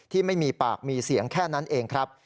ที่มีปากมีเสียงแค่นั้นเองครับ